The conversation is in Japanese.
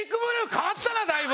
変わったなだいぶ！